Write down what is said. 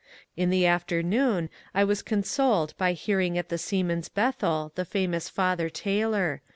In the afternoon I was consoled by hearing at the Seamen's Bethel the famous Father Taylor.